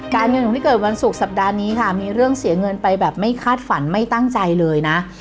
เงินของที่เกิดวันศุกร์สัปดาห์นี้ค่ะมีเรื่องเสียเงินไปแบบไม่คาดฝันไม่ตั้งใจเลยนะ